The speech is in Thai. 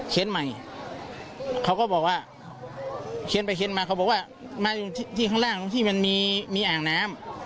ใหม่เขาก็บอกว่าเคี้ยนไปเค้นมาเขาบอกว่ามาอยู่ที่ข้างล่างตรงที่มันมีอ่างน้ำ